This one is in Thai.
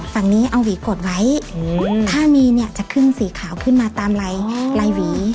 ฝั่งนี้เอาหวีกดไว้ถ้ามีเนี่ยจะขึ้นสีขาวขึ้นมาตามลายลายหวี